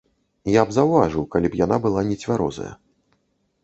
Я б заўважыў, калі б яна была нецвярозая.